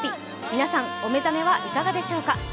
皆さん、お目覚めはいかがでしょうか。